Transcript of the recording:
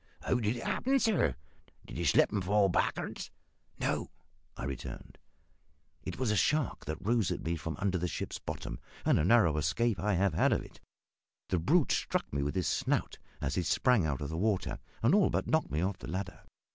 How did it happen, sir? Did you slip and fall back'ards?" "No," I returned; "it was a shark that rose at me from under the ship's bottom, and a narrow escape I have had of it; the brute struck me with his snout, as he sprang out of the water, and all but knocked me off the ladder."